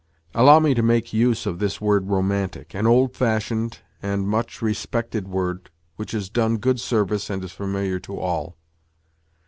(Allow me to make use of this word " romantic " an old fashioned and much respected word which has done good service and is familiar to all).